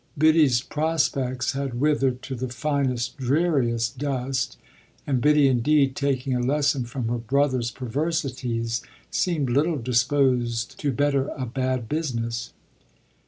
Biddy's prospects had withered to the finest, dreariest dust, and Biddy indeed, taking a lesson from her brother's perversities, seemed little disposed to better a bad business.